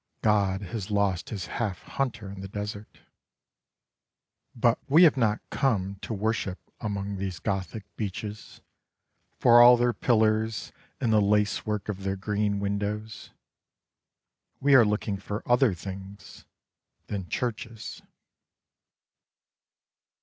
God has lost his half hunter in the desert. But we have not come to worship among these Gothic beeches, for all their pillars and the lace work of their green windows. We are looking for other things than churches.